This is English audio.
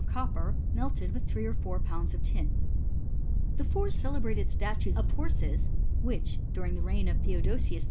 of copper, melted with three or four pounds of tin. The four celebrated statues of horses which, during the reign of Theodosius II.